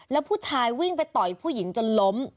แล้วผู้ชายวิ่งไปต่อยผู้หญิงจนล้ม